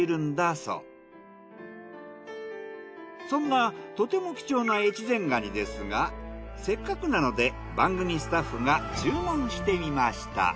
そんなとても貴重な越前がにですがせっかくなので番組スタッフが注文してみました。